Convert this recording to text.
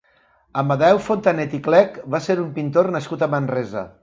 Amadeu Fontanet i Clec va ser un pintor nascut a Manresa.